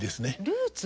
ルーツ？